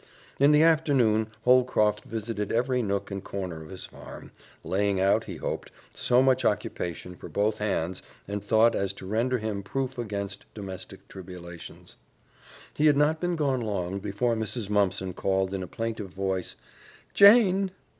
In the afternoon Holcroft visited every nook and corner of his farm, laying out, he hoped, so much occupation for both hands and thoughts as to render him proof against domestic tribulations. He had not been gone long before Mrs. Mumpson called in a plaintive voice, "Jane!"